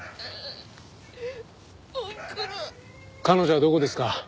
彼女はどこですか？